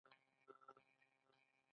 د لاجوردو رنجه نوني مې په لاس کې